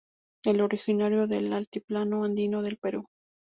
Es originario del altiplano andino del Perú.